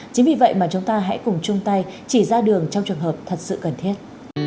chính vì vậy mà chúng ta hãy cùng chung tay chỉ ra đường trong trường hợp thật sự cần thiết